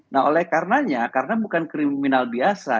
nah oleh karenanya karena bukan kriminal biasa